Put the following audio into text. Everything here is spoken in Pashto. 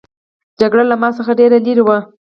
جګړه له ما څخه ډېره لیري وه.